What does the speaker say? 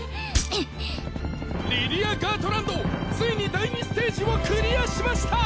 リディア・ガートランドついに第２ステージをクリアしました！